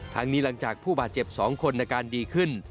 นี้หลังจากผู้บาดเจ็บ๒คนอาการดีขึ้น